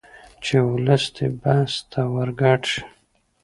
چې ولس دې بحث ته ورګډ شي